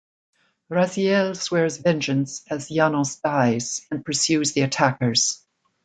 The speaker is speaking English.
Raziel swears vengeance as Janos dies, and pursues the attackers.